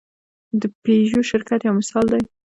د پيژو شرکت یو مثال دی.